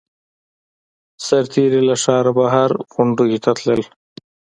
سرتېري له ښاره بهر غونډیو ته تلل.